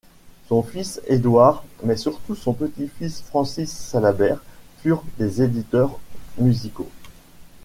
Son fils, Edouard mais surtout son petit-fils, Francis Salabert, furent des éditeurs musicaux.